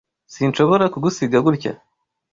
Sinshobora kugusiga gutya.